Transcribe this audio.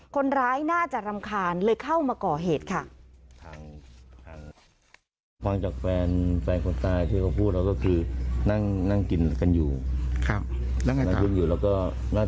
คนร้ายน่าจะรำคาญเลยเข้ามาก่อเหตุค่ะ